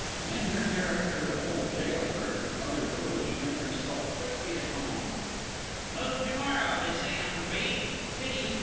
In her character of old jail bird, Mother Toulouche made herself quickly at home. "Moved to morrow, they say I'm to be! Pity!